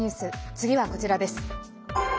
次はこちらです。